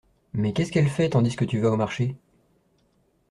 Mais qu'est-ce qu'elle fait tandis que tu vas au marché ?